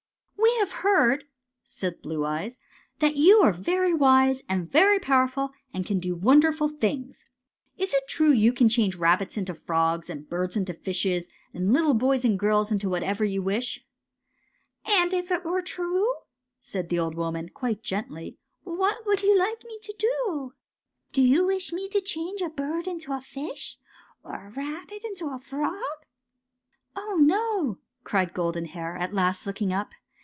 " We have heard," said Blue Eyes, '' that you are very wise and very powerful, and can do wonderful things. Is it true that you can change rabbits into frogs and birds into fishes and little boys and girls into whatsoever you wish^ "And if it were true," said the old woman, quite gently, " what would you like me to do^ 220 GOLDENROD AND ASTER Do you wish me to change a bird into a fish or a rabbit into a frog? ''^' Oh, no," cried Golden Hair, at last looking up.